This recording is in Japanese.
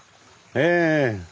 ええ。